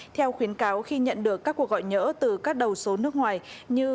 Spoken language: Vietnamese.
theo khuyến cáo khi nhận được các cuộc gọi nhỡ từ các đầu số nước ngoài như